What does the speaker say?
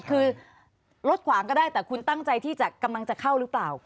คือรถขวางก็ได้แต่คุณตั้งใจที่จะกำลังจะเข้าหรือเปล่า